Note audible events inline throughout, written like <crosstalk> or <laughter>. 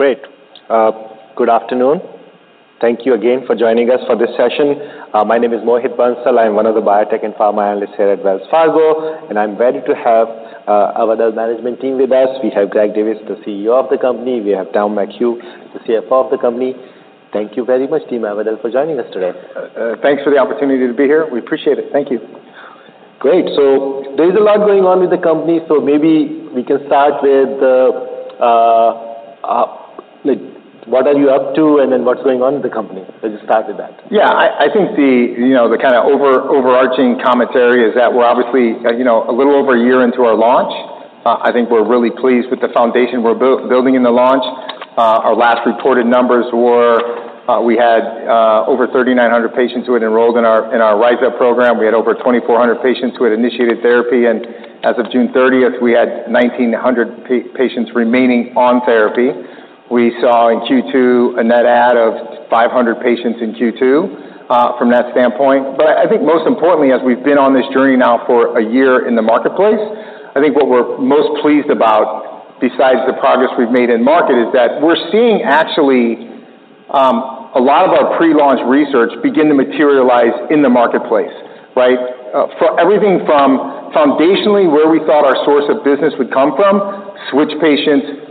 Great. Good afternoon. Thank you again for joining us for this session. My name is Mohit Bansal. I'm one of the biotech and pharma analysts here at Wells Fargo, and I'm ready to have our other management team with us. We have Greg Divis, the CEO of the company. We have Tom McHugh, the CFO of the company. Thank you very much, team, everyone, for joining us today. Thanks for the opportunity to be here. We appreciate it. Thank you. Great, so there is a lot going on with the company, so maybe we can start with the, like, what are you up to, and then what's going on in the company? Let's start with that. Yeah, I think the, you know, the kinda overarching commentary is that we're obviously, you know, a little over a year into our launch. I think we're really pleased with the foundation we're building in the launch. Our last reported numbers were, we had, over thirty-nine hundred patients who had enrolled in our RyzUp program. We had over twenty-four hundred patients who had initiated therapy, and as of June 30, we had nineteen hundred patients remaining on therapy. We saw in Q2 a net add of five hundred patients in Q2, from that standpoint. But I think most importantly, as we've been on this journey now for a year in the marketplace, I think what we're most pleased about, besides the progress we've made in market, is that we're seeing actually a lot of our pre-launch research begin to materialize in the marketplace, right? For everything from foundationally, where we thought our source of business would come from, switch patients,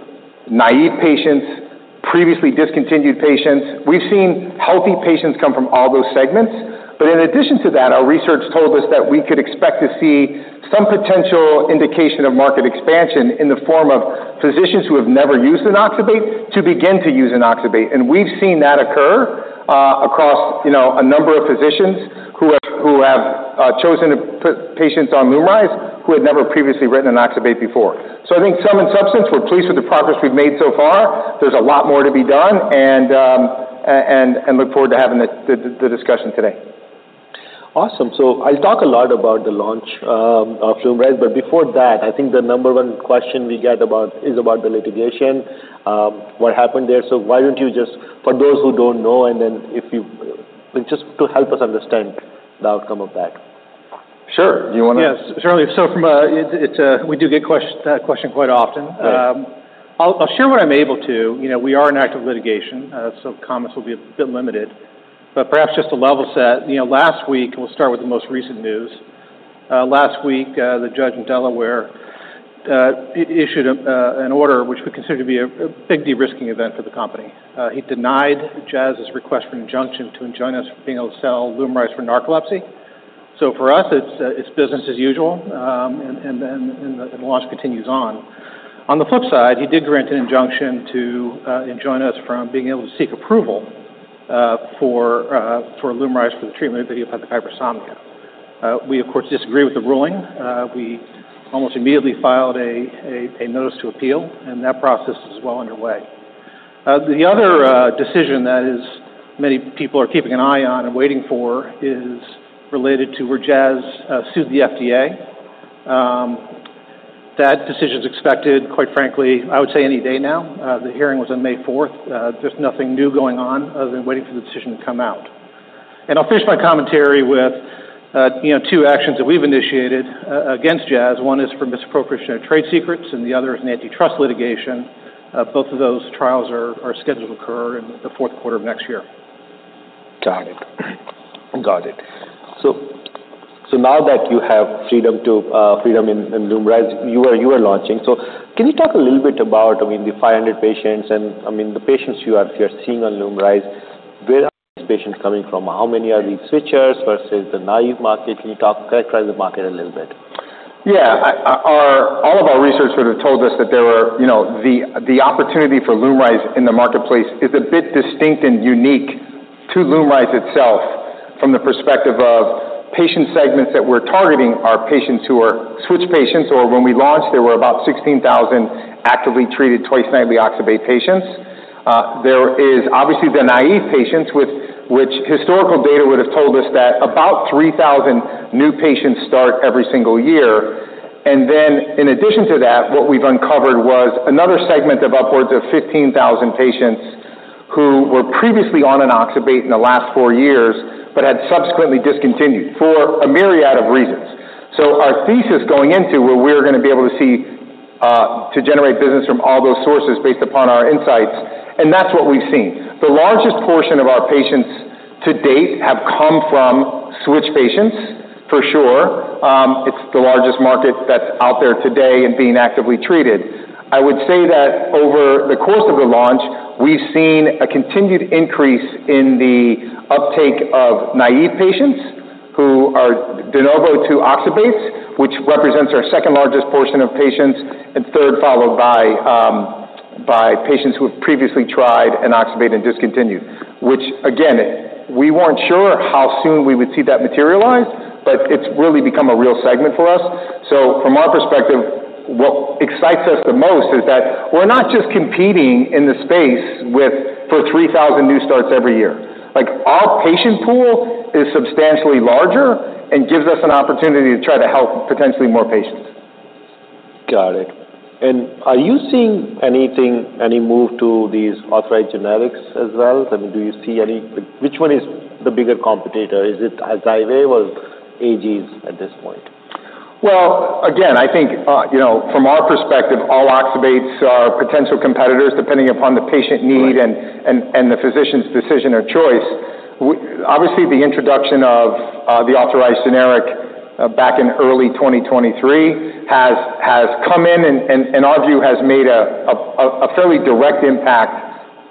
naive patients, previously discontinued patients. We've seen healthy patients come from all those segments, but in addition to that, our research told us that we could expect to see some potential indication of market expansion in the form of physicians who have never used oxybate to begin to use oxybate. And we've seen that occur across, you know, a number of physicians who have chosen to put patients on LUMRYZ, who had never previously written an oxybate before. So I think, sum and substance, we're pleased with the progress we've made so far. There's a lot more to be done, and I look forward to having the discussion today. Awesome. So I'll talk a lot about the launch of LUMRYZ, but before that, I think the number one question we get about LUMRYZ is about the litigation, what happened there. So why don't you just, for those who don't know, but just to help us understand the outcome of that. Sure. You wanna- <crosstalk> Yes, surely. So from a, it, we do get that question quite often. Right. I'll share what I'm able to. You know, we are in active litigation, so comments will be a bit limited, but perhaps just to level set, you know, last week. We'll start with the most recent news. Last week, the judge in Delaware issued an order which we consider to be a big de-risking event for the company. He denied Jazz's request for injunction to enjoin us from being able to sell LUMRYZ for narcolepsy. So for us, it's business as usual, and the launch continues on. On the flip side, he did grant an injunction to enjoin us from being able to seek approval for LUMRYZ for the treatment of idiopathic hypersomnia. We, of course, disagree with the ruling. We almost immediately filed a notice to appeal, and that process is well underway. The other decision that many people are keeping an eye on and waiting for is related to where Jazz sued the FDA. That decision is expected, quite frankly, I would say, any day now. The hearing was on May 4. There's nothing new going on other than waiting for the decision to come out, and I'll finish my commentary with, you know, two actions that we've initiated against Jazz. One is for misappropriation of trade secrets, and the other is an antitrust litigation. Both of those trials are scheduled to occur in the fourth quarter of next year. Got it. Now that you have freedom in LUMRYZ, you are launching. Can you talk a little bit about, I mean, the 500 patients and, I mean, the patients you are seeing on LUMRYZ, where are these patients coming from? How many are these switchers versus the naive market? Can you talk. Characterize the market a little bit. Yeah. Our all of our research would have told us that there were, you know, the opportunity for LUMRYZ in the marketplace is a bit distinct and unique to LUMRYZ itself, from the perspective of patient segments that we're targeting are patients who are switch patients, or when we launched, there were about 16,000 actively treated twice-nightly oxybate patients. There is obviously the naive patients, with which historical data would have told us that about 3,000 new patients start every single year. And then, in addition to that, what we've uncovered was another segment of upwards of 15,000 patients who were previously on oxybate in the last four years but had subsequently discontinued for a myriad of reasons. So our thesis going into where we're gonna be able to see to generate business from all those sources based upon our insights, and that's what we've seen. The largest portion of our patients to date have come from switch patients, for sure. It's the largest market that's out there today and being actively treated. I would say that over the course of the launch, we've seen a continued increase in the uptake of naive patients who are de novo to oxybates, which represents our second-largest portion of patients, and third, followed by patients who have previously tried oxybate and discontinued, which again, we weren't sure how soon we would see that materialize, but it's really become a real segment for us. So from our perspective, what excites us the most is that we're not just competing in the space with... for 3,000 new starts every year. Like, our patient pool is substantially larger and gives us an opportunity to try to help potentially more patients. Got it. And are you seeing anything, any move to these authorized generics as well? I mean, do you see any- Which one is the bigger competitor? Is it Xywav or AGs at this point? ...Well, again, I think, you know, from our perspective, all oxybates are potential competitors, depending upon the patient need- Right and the physician's decision or choice. We obviously the introduction of the authorized generic back in early 2023 has come in and our view has made a fairly direct impact,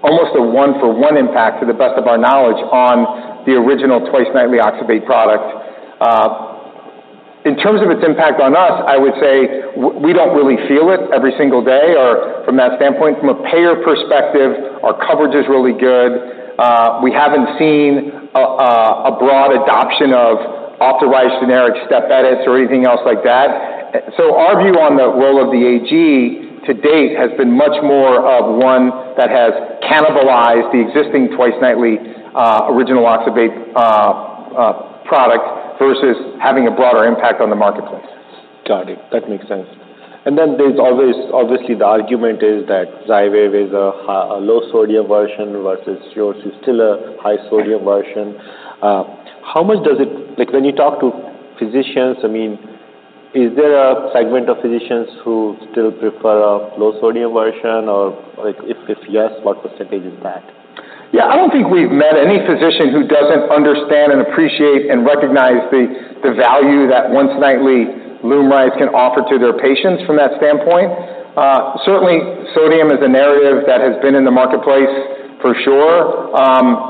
almost a one-for-one impact, to the best of our knowledge, on the original twice-nightly oxybate product. In terms of its impact on us, I would say we don't really feel it every single day or from that standpoint. From a payer perspective, our coverage is really good. We haven't seen a broad adoption of authorized generic step edits or anything else like that. So our view on the role of the AG to date has been much more of one that has cannibalized the existing twice-nightly original oxybate product versus having a broader impact on the marketplace. Got it. That makes sense. And then there's always... Obviously, the argument is that Xywav is a low-sodium version versus yours is still a high-sodium version. Right. How much does it? Like, when you talk to physicians, I mean, is there a segment of physicians who still prefer a low sodium version? Or, like, if yes, what percentage is that? Yeah, I don't think we've met any physician who doesn't understand and appreciate and recognize the value that once-nightly LUMRYZ can offer to their patients from that standpoint. Certainly, sodium is an area that has been in the marketplace for sure,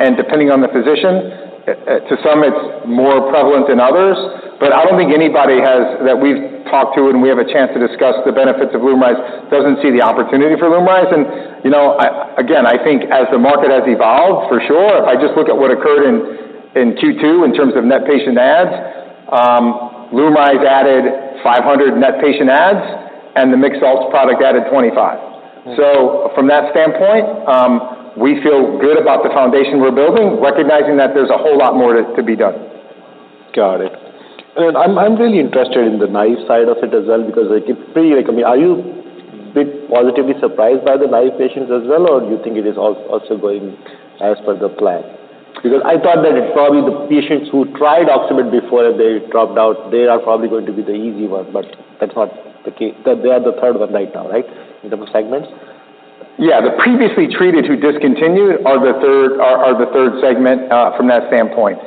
and depending on the physician, to some, it's more prevalent than others. But I don't think anybody that we've talked to, and we have a chance to discuss the benefits of LUMRYZ, doesn't see the opportunity for LUMRYZ. And, you know, again, I think as the market has evolved, for sure, if I just look at what occurred in Q2 in terms of net patient adds, LUMRYZ added five hundred net patient adds, and the mixed salts product added twenty-five. Mm-hmm. So from that standpoint, we feel good about the foundation we're building, recognizing that there's a whole lot more to be done. Got it. And I'm really interested in the naive side of it as well, because it pretty like... I mean, are you bit positively surprised by the naive patients as well, or do you think it is also going as per the plan? Because I thought that it probably the patients who tried oxybate before they dropped out, they are probably going to be the easy one, but that's not the They are the third one right now, right, in terms of segments? Yeah. The previously treated who discontinued are the third segment from that standpoint.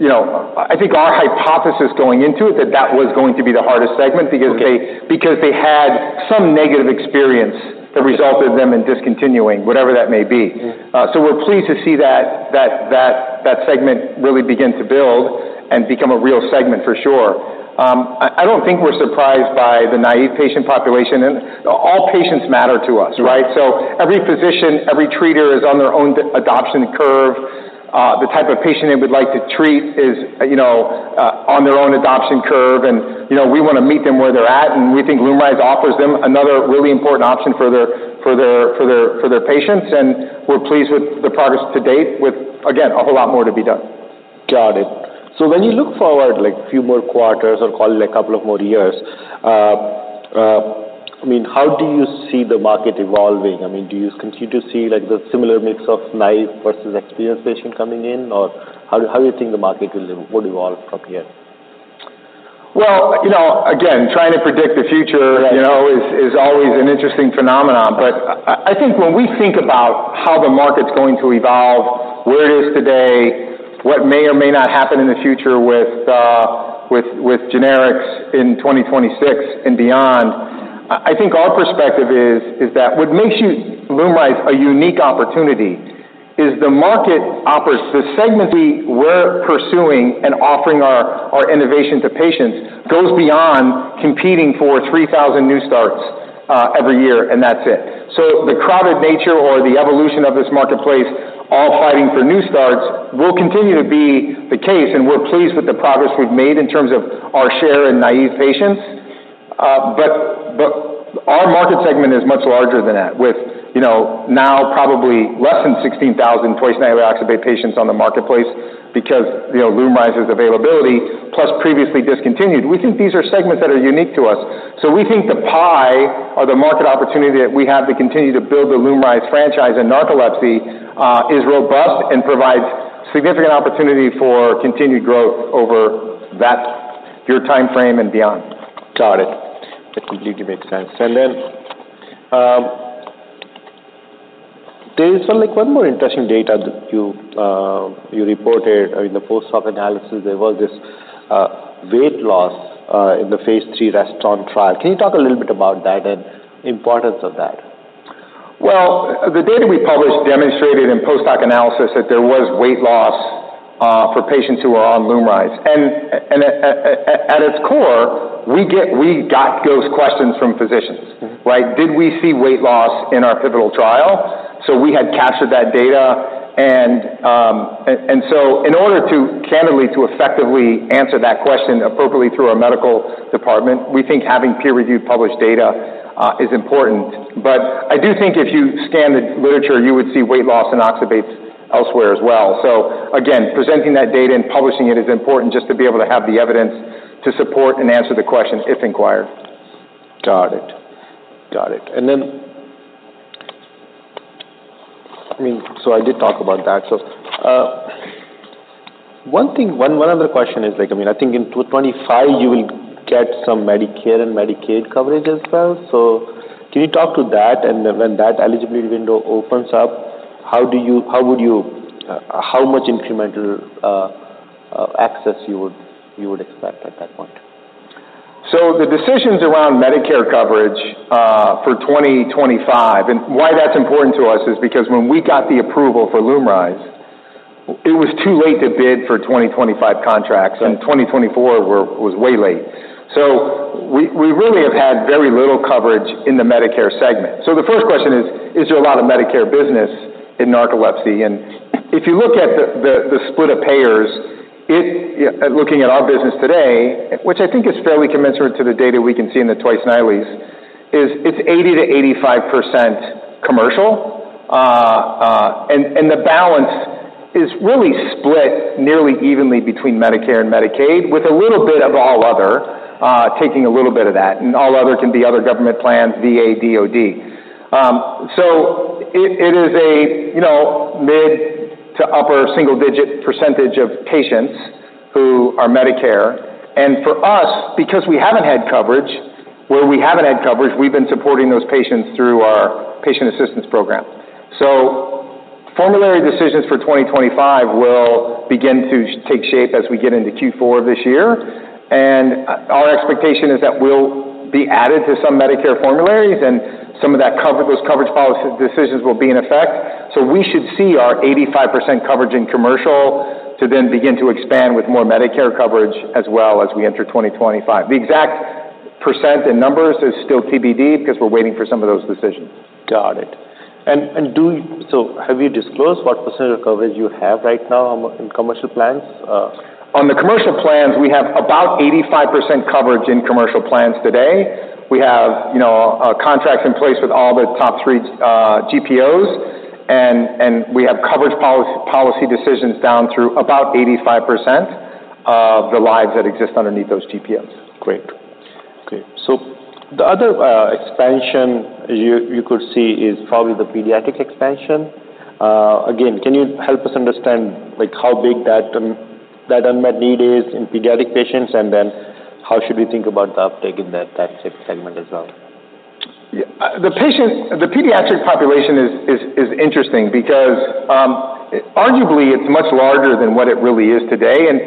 You know, I think our hypothesis going into it, that that was going to be the hardest segment- Right because they had some negative experience that resulted in them discontinuing, whatever that may be. Mm-hmm. We're pleased to see that segment really begin to build and become a real segment, for sure. I don't think we're surprised by the naive patient population, and all patients matter to us, right? Right. So every physician, every treater is on their own adoption curve. The type of patient they would like to treat is, you know, on their own adoption curve, and, you know, we wanna meet them where they're at, and we think LUMRYZ offers them another really important option for their patients, and we're pleased with the progress to date, with, again, a whole lot more to be done. Got it. So when you look forward, like, few more quarters or call it a couple of more years, I mean, how do you see the market evolving? I mean, do you continue to see, like, the similar mix of naive versus experienced patient coming in, or how do you think the market will evolve from here? Well, you know, again, trying to predict the future- Right You know, it is always an interesting phenomenon. But I think when we think about how the market's going to evolve, where it is today, what may or may not happen in the future with generics in 2026 and beyond, I think our perspective is that what makes LUMRYZ a unique opportunity is the market opportunity, the segment we're pursuing and offering our innovation to patients goes beyond competing for three thousand new starts every year, and that's it. So the crowded nature or the evolution of this marketplace, all fighting for new starts, will continue to be the case, and we're pleased with the progress we've made in terms of our share in naive patients. But our market segment is much larger than that, with, you know, now probably less than sixteen thousand twice nightly oxybate patients on the marketplace because, you know, LUMRYZ's availability, plus previously discontinued. We think these are segments that are unique to us. So we think the pie or the market opportunity that we have to continue to build the LUMRYZ franchise in narcolepsy is robust and provides significant opportunity for continued growth over that, your time frame and beyond. Got it. That completely makes sense. And then, there is some, like, one more interesting data that you reported in the post-hoc analysis. There was this, weight loss, in the phase three REST-ON trial. Can you talk a little bit about that and importance of that? The data we published demonstrated in post-hoc analysis that there was weight loss for patients who are on LUMRYZ. At its core, we got those questions from physicians. Mm-hmm. Right? Did we see weight loss in our pivotal trial? So we had captured that data, and so in order to, candidly, to effectively answer that question appropriately through our medical department, we think having peer-reviewed, published data is important. But I do think if you scan the literature, you would see weight loss in oxybates elsewhere as well. So again, presenting that data and publishing it is important just to be able to have the evidence to support and answer the questions if inquired. Got it. Got it. I mean, so I did talk about that, so one other question is, like, I mean, I think in 2025, you will get some Medicare and Medicaid coverage as well, so can you talk to that and when that eligibility window opens up, how would you, how much incremental access you would expect at that point? So the decisions around Medicare coverage for twenty twenty-five, and why that's important to us, is because when we got the approval for LUMRYZ, it was too late to bid for twenty twenty-five contracts. Yeah. And 2024 was way late. So we really have had very little coverage in the Medicare segment. So the first question is, is there a lot of Medicare business in narcolepsy? And if you look at the split of payers, looking at our business today, which I think is fairly commensurate to the data we can see in the twice nightly's, it's 80%-85% commercial. And the balance is really split nearly evenly between Medicare and Medicaid, with a little bit of all other taking a little bit of that. And all other can be other government plans, VA, DOD. So it is a, you know, mid- to upper single-digit percentage of patients who are Medicare. For us, because we haven't had coverage, where we haven't had coverage, we've been supporting those patients through our patient assistance program. Formulary decisions for 2025 will begin to take shape as we get into Q4 of this year. Our expectation is that we'll be added to some Medicare formularies, and some of that coverage, those coverage policy decisions will be in effect. We should see our 85% coverage in commercial to then begin to expand with more Medicare coverage as well as we enter 2025. The exact percent in numbers is still TBD because we're waiting for some of those decisions. Got it. So have you disclosed what percentage of coverage you have right now on in commercial plans? On the commercial plans, we have about 85% coverage in commercial plans today. We have, you know, contracts in place with all the top three GPOs, and we have coverage policy decisions down through about 85% of the lives that exist underneath those GPOs. Great. Okay. So the other expansion you could see is probably the pediatric expansion. Again, can you help us understand, like, how big that unmet need is in pediatric patients? And then how should we think about the uptake in that segment as well? Yeah, the pediatric population is interesting because, arguably, it's much larger than what it really is today, and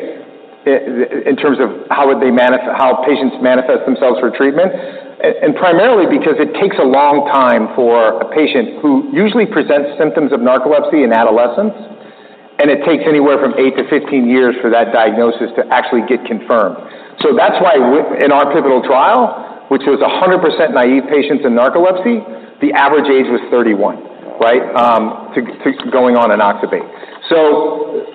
in terms of how patients manifest themselves for treatment. And primarily because it takes a long time for a patient who usually presents symptoms of narcolepsy in adolescence, and it takes anywhere from eight to 15 years for that diagnosis to actually get confirmed. So that's why in our pivotal trial, which was 100% naive patients in narcolepsy, the average age was 31, right? To going on oxybate. So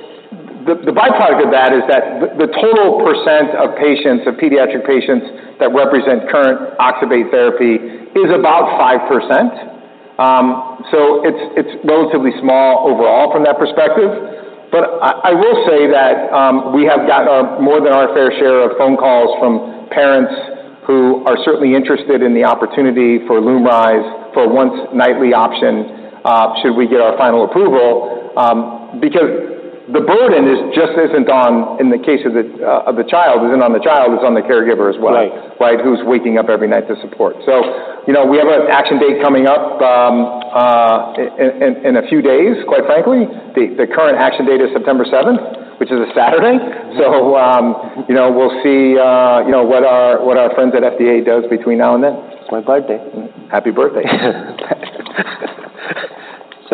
the byproduct of that is that the total percent of patients, of pediatric patients, that represent current oxybate therapy is about 5%. So it's relatively small overall from that perspective. But I will say that we have gotten more than our fair share of phone calls from parents who are certainly interested in the opportunity for LUMRYZ for a once-nightly option should we get our final approval. Because the burden just isn't on the child in the case of the child. It's on the caregiver as well. Right. Right? Who's waking up every night to support? So, you know, we have an action date coming up in a few days, quite frankly. The current action date is September 7, which is a Saturday. So, you know, we'll see what our friends at FDA does between now and then. It's my birthday. Happy birthday.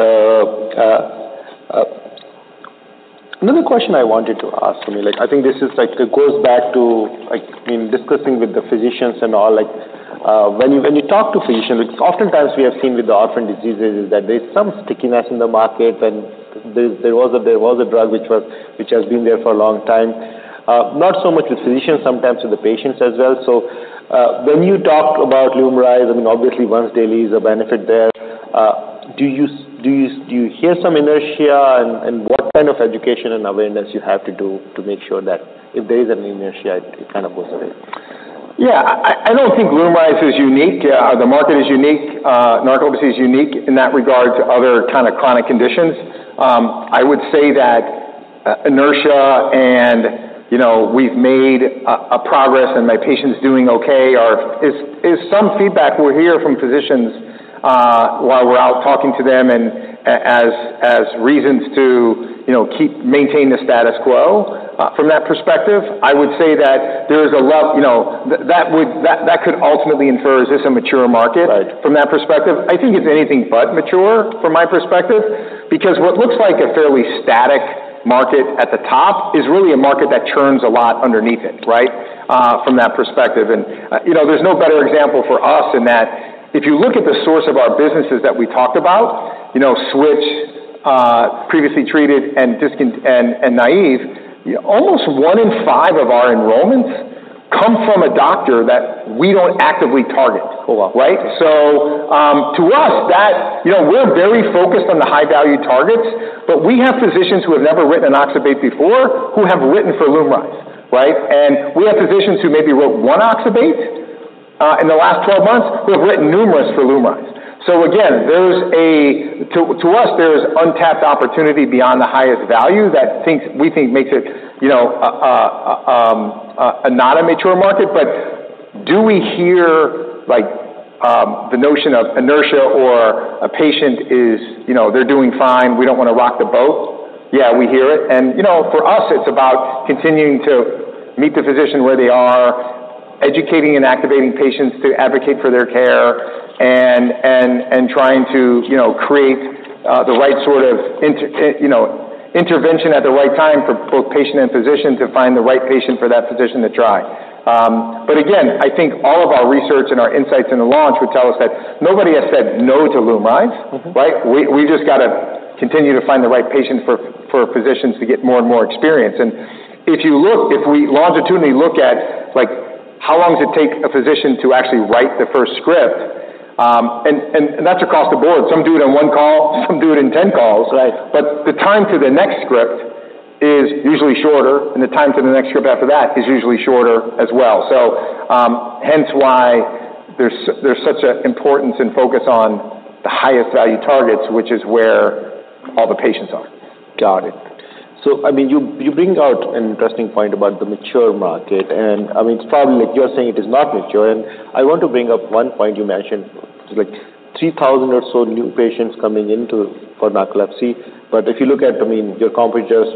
So, another question I wanted to ask, I mean, like, I think this is like. It goes back to, like, in discussing with the physicians and all, like, when you, when you talk to physicians, oftentimes we have seen with the orphan diseases is that there's some stickiness in the market, and there was a drug which has been there for a long time. Not so much with physicians, sometimes with the patients as well. So, when you talk about LUMRYZ, I mean, obviously, once-daily is a benefit there. Do you hear some inertia, and what kind of education and awareness you have to do to make sure that if there is an inertia, it kind of goes away? Yeah. I don't think LUMRYZ is unique. The market is unique. Narcolepsy is unique in that regard to other kind of chronic conditions. I would say that inertia and, you know, "We've made a progress, and my patient's doing okay," is some feedback we hear from physicians while we're out talking to them and as reasons to, you know, keep maintain the status quo. From that perspective, I would say that there is a lot. You know, that would, that could ultimately infer, is this a mature market? Right. From that perspective, I think it's anything but mature from my perspective, because what looks like a fairly static market at the top is really a market that churns a lot underneath it, right? From that perspective, and you know, there's no better example for us in that if you look at the source of our businesses that we talked about, you know, switch, previously treated and discontinued, and naive, almost one in five of our enrollments come from a doctor that we don't actively target. Oh, wow. Right? So, to us, that. You know, we're very focused on the high-value targets, but we have physicians who have never written an oxybate before, who have written for LUMRYZ, right? And we have physicians who maybe wrote one oxybate in the last 12 months, who have written numerous for LUMRYZ. So again, to us, there's untapped opportunity beyond the highest value that we think makes it, you know, not a mature market. But do we hear, like, the notion of inertia or a patient is, you know, they're doing fine, we don't wanna rock the boat? Yeah, we hear it. You know, for us, it's about continuing to meet the physician where they are, educating and activating patients to advocate for their care, and trying to, you know, create the right sort of intervention at the right time for both patient and physician to find the right patient for that physician to try, but again, I think all of our research and our insights in the launch would tell us that nobody has said no to LUMRYZ, right? Mm-hmm. We just got to continue to find the right patient for physicians to get more and more experience and if you look, if we longitudinally look at, like, how long does it take a physician to actually write the first script, and that's across the board. Some do it in one call, some do it in 10 calls. Right. But the time to the next script is usually shorter, and the time to the next script after that is usually shorter as well. So, hence why there's such an importance and focus on the highest value targets, which is where all the patients are. Got it. So, I mean, you bring out an interesting point about the mature market, and, I mean, it's probably like you're saying, it is not mature, and I want to bring up one point you mentioned, like 3,000 or so new patients coming into for narcolepsy, but if you look at, I mean, your competitors'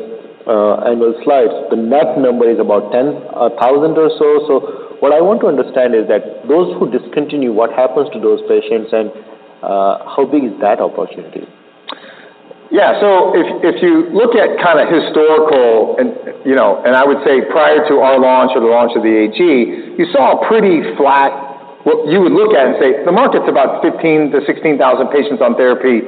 annual slides, the net number is about 10,000 or so. So what I want to understand is that those who discontinue, what happens to those patients, and how big is that opportunity? Yeah, so if you look at kind of historical, you know, I would say prior to our launch or the launch of the AG, you saw a pretty flat. What you would look at and say, "The market's about 15-16 thousand patients on therapy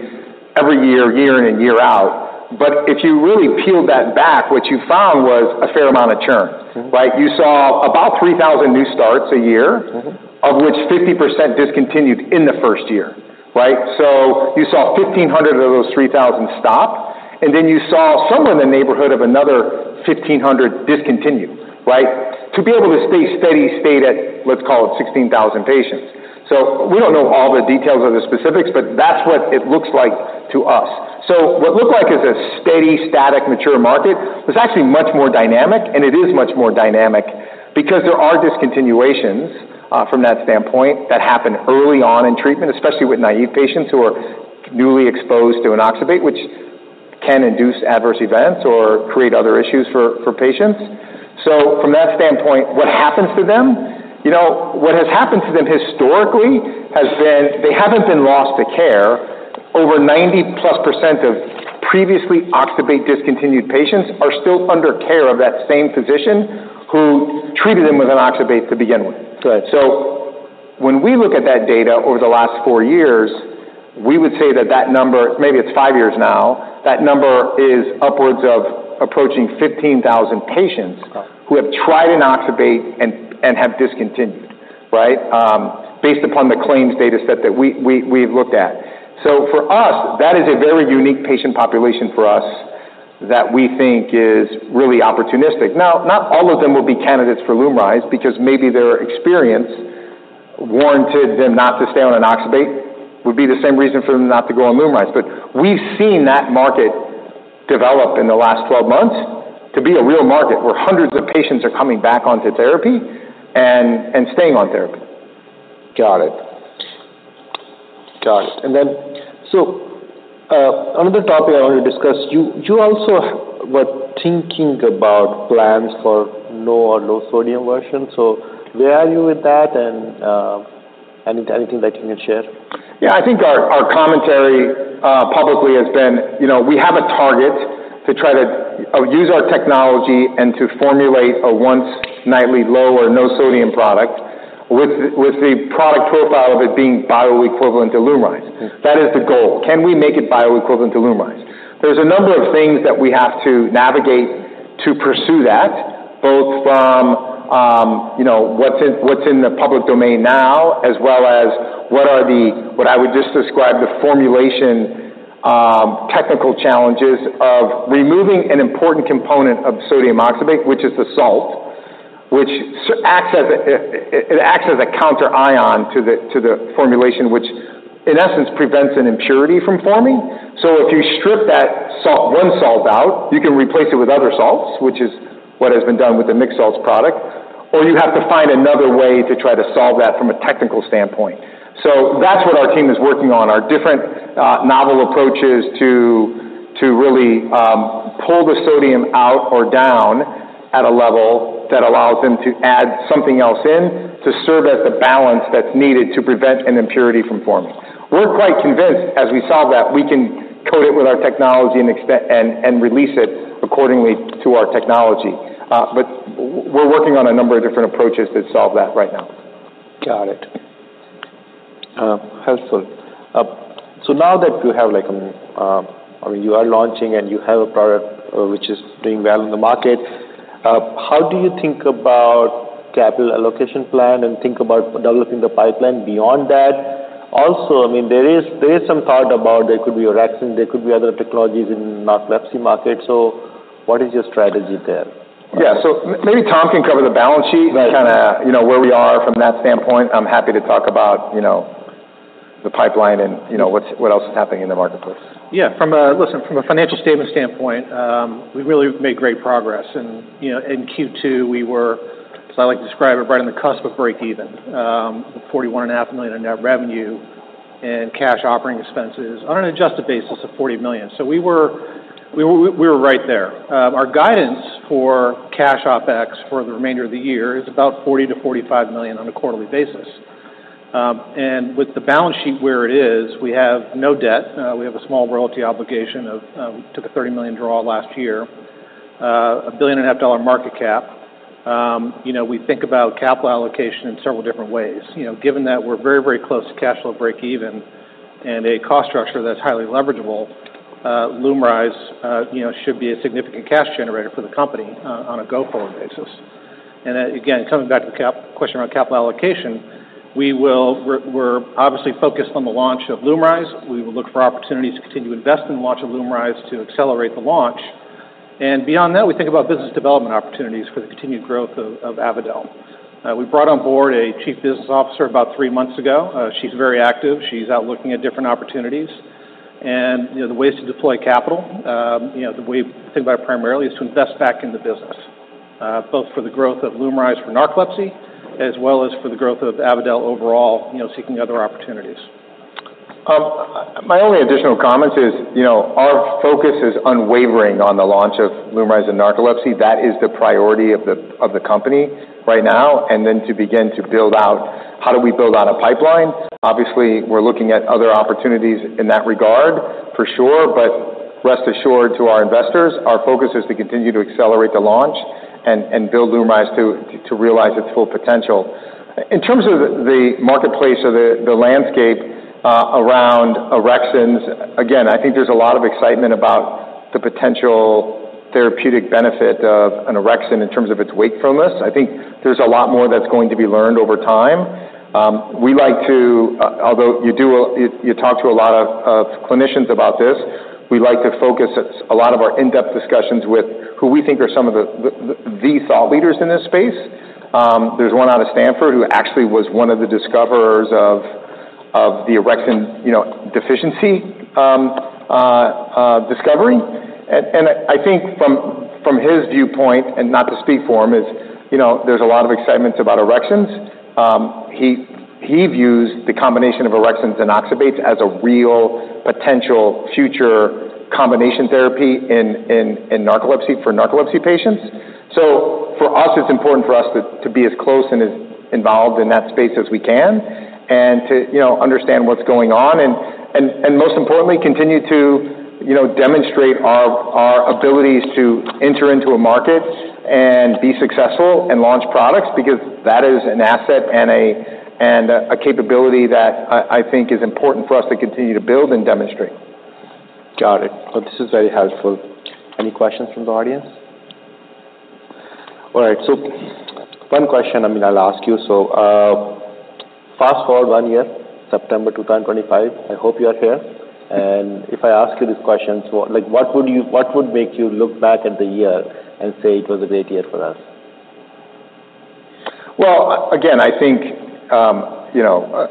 every year, year in and year out." But if you really peeled that back, what you found was a fair amount of churn. Mm-hmm. Like, you saw about 3,000 new starts a year- Mm-hmm. Of which 50% discontinued in the first year, right? So you saw 1,500 of those 3,000 stop, and then you saw somewhere in the neighborhood of another 1,500 discontinue, right? To be able to stay steady, stay at, let's call it, 16,000 patients. So we don't know all the details or the specifics, but that's what it looks like to us. So what looked like as a steady, static, mature market was actually much more dynamic, and it is much more dynamic because there are discontinuations from that standpoint that happen early on in treatment, especially with naive patients who are newly exposed to oxybate, which can induce adverse events or create other issues for patients. So from that standpoint, what happens to them? You know, what has happened to them historically has been they haven't been lost to care. Over 90+% of previously oxybate discontinued patients are still under care of that same physician who treated them with an oxybate to begin with. Good. So when we look at that data over the last four years, we would say that that number, maybe it's five years now, that number is upwards of approaching 15,000 patients. Okay. who have tried oxybate and have discontinued, right? Based upon the claims data set that we've looked at. So for us, that is a very unique patient population for us that we think is really opportunistic. Now, not all of them will be candidates for LUMRYZ, because maybe their experience warranted them not to stay on oxybate, would be the same reason for them not to go on LUMRYZ. But we've seen that market develop in the last 12 months to be a real market, where hundreds of patients are coming back onto therapy and staying on therapy. Got it. Got it. Another topic I want to discuss: you also were thinking about plans for no or low sodium version, so where are you with that, and anything that you can share? Yeah, I think our commentary publicly has been, you know, we have a target to try to use our technology and to formulate a once-nightly, low or no-sodium product with the product profile of it being bioequivalent to LUMRYZ. Mm-hmm. That is the goal. Can we make it bioequivalent to LUMRYZ? There's a number of things that we have to navigate to pursue that, both from, you know, what's in the public domain now, as well as what are the what I would just describe, the formulation, technical challenges of removing an important component of sodium oxybate, which is the salt, which acts as a counter ion to the formulation, which, in essence, prevents an impurity from forming. So if you strip that salt, one salt out, you can replace it with other salts, which is what has been done with the mixed salts product, or you have to find another way to try to solve that from a technical standpoint. So that's what our team is working on, are different novel approaches to really pull the sodium out or down at a level that allows them to add something else in, to serve as the balance that's needed to prevent an impurity from forming. We're quite convinced, as we solve that, we can coat it with our technology and expertise and release it accordingly to our technology. But we're working on a number of different approaches to solve that right now. Got it. Helpful. So now that you have like, or you are launching and you have a product, which is doing well in the market, how do you think about capital allocation plan and think about developing the pipeline beyond that? Also, I mean, there is some thought about there could be orexins, there could be other technologies in narcolepsy market. So what is your strategy there? Yeah, so maybe Tom can cover the balance sheet. Right. And kind of, you know, where we are from that standpoint. I'm happy to talk about, you know, the pipeline and, you know, what's, what else is happening in the marketplace. Yeah. From a financial statement standpoint, we really have made great progress. You know, in Q2, we were, as I like to describe it, right on the cusp of break even, with $41.5 million in net revenue and cash operating expenses on an adjusted basis of $40 million. So we were right there. Our guidance for cash OpEx for the remainder of the year is about $40-$45 million on a quarterly basis. And with the balance sheet where it is, we have no debt. We have a small royalty obligation of, we took a $30 million draw last year, a $1.5 billion market cap. You know, we think about capital allocation in several different ways. You know, given that we're very, very close to cash flow break even and a cost structure that's highly leverageable, LUMRYZ, you know, should be a significant cash generator for the company, on a go-forward basis. And again, coming back to the capital question around capital allocation, we will. We're obviously focused on the launch of LUMRYZ. We will look for opportunities to continue to invest in the launch of LUMRYZ to accelerate the launch. And beyond that, we think about business development opportunities for the continued growth of Avadel. We brought on board a chief business officer about three months ago. She's very active. She's out looking at different opportunities. You know, the ways to deploy capital, you know, the way we think about it primarily, is to invest back in the business, both for the growth of LUMRYZ for narcolepsy, as well as for the growth of Avadel overall, you know, seeking other opportunities. My only additional comment is, you know, our focus is unwavering on the launch of LUMRYZ and narcolepsy. That is the priority of the company right now, and then to begin to build out how do we build out a pipeline. Obviously, we're looking at other opportunities in that regard, for sure. But rest assured to our investors, our focus is to continue to accelerate the launch and build LUMRYZ to realize its full potential. In terms of the marketplace or the landscape around orexins, again, I think there's a lot of excitement about the potential therapeutic benefit of an orexin in terms of its wakefulness. I think there's a lot more that's going to be learned over time. We like to... Although you talk to a lot of clinicians about this, we like to focus a lot of our in-depth discussions with who we think are some of the thought leaders in this space. There's one out of Stanford who actually was one of the discoverers of the orexin, you know, deficiency discovery. I think from his viewpoint, and not to speak for him, you know, there's a lot of excitement about orexins. He views the combination of orexins and oxybates as a real potential future combination therapy in narcolepsy for narcolepsy patients. So for us, it's important for us to be as close and as involved in that space as we can, and to, you know, understand what's going on, and most importantly, continue to, you know, demonstrate our abilities to enter into a market and be successful and launch products, because that is an asset and a capability that I think is important for us to continue to build and demonstrate. Got it. Well, this is very helpful. Any questions from the audience? All right, so one question, I mean, I'll ask you. So, fast-forward one year, September two thousand and twenty-five, I hope you are here. And if I ask you this question, so like, what would you... What would make you look back at the year and say, "It was a great year for us? Again, I think, you know,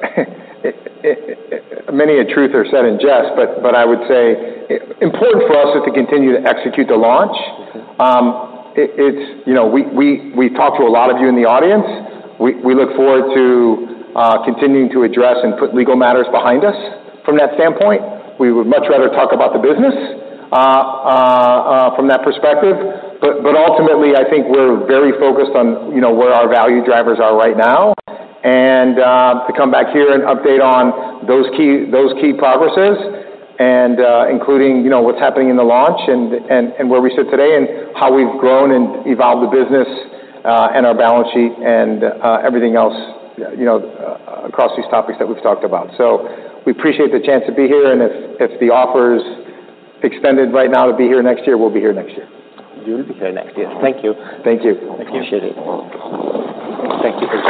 many a truth are said in jest, but I would say important for us is to continue to execute the launch. Mm-hmm. You know, we talked to a lot of you in the audience. We look forward to continuing to address and put legal matters behind us from that standpoint. We would much rather talk about the business from that perspective. But ultimately, I think we're very focused on, you know, where our value drivers are right now, and to come back here and update on those key progresses, and including, you know, what's happening in the launch and where we sit today, and how we've grown and evolved the business, and our balance sheet and everything else, you know, across these topics that we've talked about. So we appreciate the chance to be here, and if the offer is extended right now to be here next year, we'll be here next year. We'll be here next year. Thank you. Thank you. I appreciate it. Thank you very much.